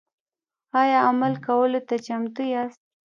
ایا عمل کولو ته چمتو یاست؟